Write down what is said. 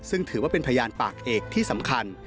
ซึ่งถือว่าเป็นพยานปากเอกที่สำคัญ